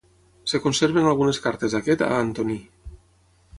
Es conserven algunes cartes d'aquest a Antoní.